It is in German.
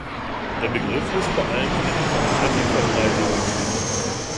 Der Begriff ist vor allem in der Informatik verbreitet.